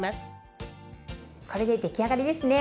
これで出来上がりですね。